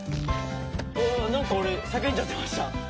ああなんか俺叫んじゃってました？